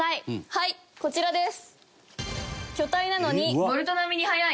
はいこちらです。